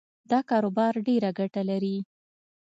دا کاروبار ډېره ګټه لري